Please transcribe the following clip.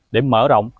để mở rộng vụ án mạng